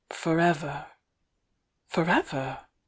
For ever!" "For ever!"